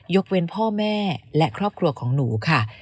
เว้นพ่อแม่และครอบครัวของหนูค่ะ